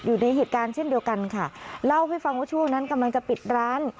อยู่ในเหตุการณ์เช่นเดียวกันค่ะเล่าให้ฟังว่าช่วงนั้นกำลังจะปิดร้าน